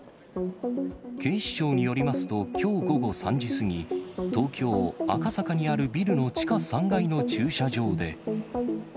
警視庁によりますと、きょう午後３時過ぎ、東京・赤坂にあるビルの地下３階の駐車場で。